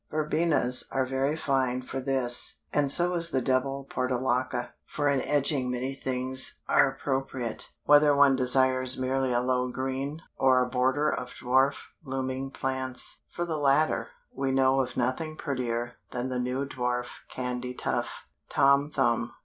Verbenas are very fine for this, and so is the Double Portulaca. For an edging, many things are appropriate; whether one desires merely a low green, or a border of dwarf blooming plants. For the latter, we know of nothing prettier than the new dwarf Candytuft, Tom Thumb.